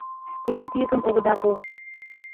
Теат йӱкым огыда пу.